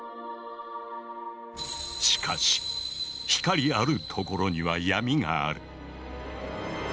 しかし光あるところには闇がある。